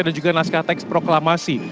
dan juga naskah teks proklamasi